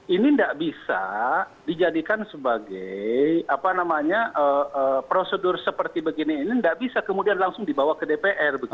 ini nggak bisa dijadikan sebagai apa namanya prosedur seperti begini ini nggak bisa kemudian langsung dibawa ke dpr begitu